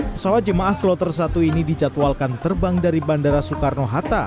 pesawat jemaah kloter satu ini dijadwalkan terbang dari bandara soekarno hatta